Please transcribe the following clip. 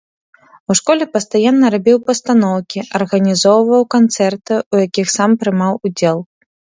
У школе пастаянна рабіў пастаноўкі, арганізоўваў канцэрты, у якіх сам прымаў удзел.